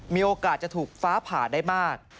มีโอกาสจะถูกฟ้าผ่าได้มาก